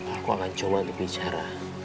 aku akan coba ngebicara